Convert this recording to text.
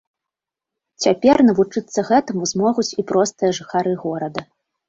Цяпер навучыцца гэтаму змогуць і простыя жыхары горада.